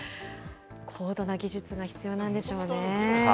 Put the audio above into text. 高度な技術が必要なんでしょうね。